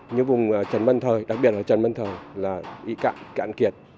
như vùng trần văn thời đặc biệt là trần văn thời là bị cạn cạn kiệt